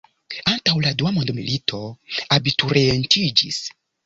Antaŭ la dua mondmilito abiturientiĝis.